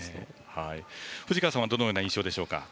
藤川さんはどのような印象でしょうか。